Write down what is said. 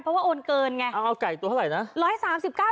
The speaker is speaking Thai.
เพราะว่าโอนเกินไงเอาไก่ตัวเท่าไหร่นะร้อยสามสิบเก้า